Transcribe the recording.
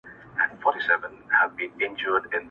ستا د موسکا، ستا د ګلونو د ګېډیو وطن!